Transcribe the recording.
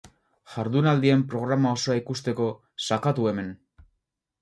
Jardunaldien programa osoa ikusteko, sakatu hemen.